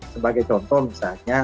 sebagai contoh misalnya